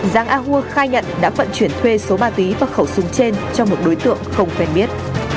giang ahua khai nhận đã phận chuyển thuê số ma túy và khẩu súng trên cho một đối tượng không khuyên biết